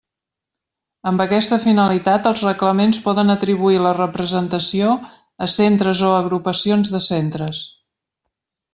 Amb aquesta finalitat, els reglaments poden atribuir la representació a centres o agrupacions de centres.